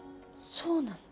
そうなの？